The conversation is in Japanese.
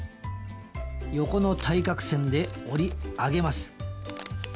横の対角線で折り上げます。